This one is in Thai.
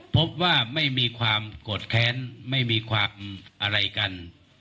พบว่าไม่มีความโกรธแค้นไม่มีความอะไรกัน